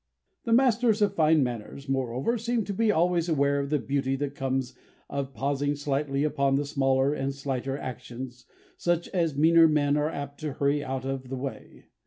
The masters of fine manners, moreover, seem to be always aware of the beauty that comes of pausing slightly upon the smaller and slighter actions, such as meaner men are apt to hurry out of the way.